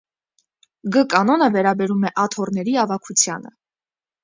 Գ կանոնը վերաբերում է աթոռների ավագությանը։